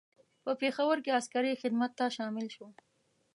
په پېښور کې عسکري خدمت ته شامل شو.